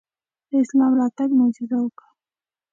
د اسلام راتګ معجزه وکړه.